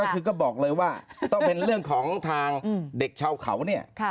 ก็คือก็บอกเลยว่าต้องเป็นเรื่องของทางเด็กชาวเขาเนี่ย